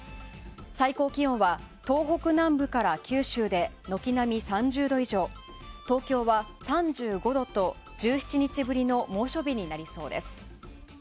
最高気温は東北南部から九州で軒並み３０度以上東京は３５度と、１７日ぶりの猛暑日になりそうです。